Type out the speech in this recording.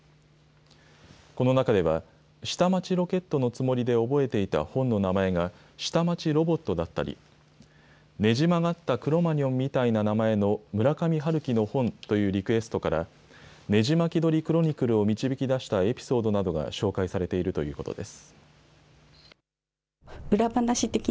この中では、下町ロケットのつもりで覚えていた本の名前が下町ロボットだったり、ねじ曲がったクロマニョンみたいな名前の村上春樹の本というリクエストから、ねじまき鳥クロニクルを導き出したエピソードなどが紹介されているということです。